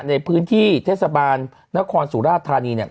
ในพื้นที่เทศบาลนครสุราชธานีเนี่ย